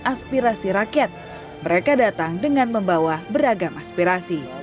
aspirasi rakyat mereka datang dengan membawa beragam aspirasi